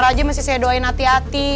marah aja masih saya doain hati hati